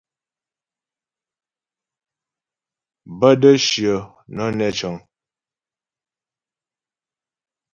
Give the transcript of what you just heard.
Bə́ də́ shyə nə́ nɛ cə̂ŋ.